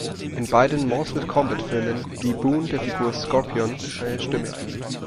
In beiden "Mortal-Kombat"-Filmen lieh Boon der Figur Scorpion seine Stimme.